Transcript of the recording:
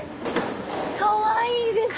かわいいですね。